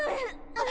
あっ。